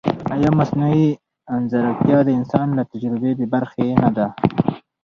ایا مصنوعي ځیرکتیا د انسان له تجربې بېبرخې نه ده؟